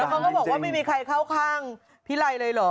เขาก็บอกว่าไม่มีใครเข้าข้างพี่ไรเลยเหรอ